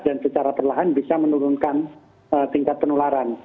dan secara perlahan bisa menurunkan tingkat penularan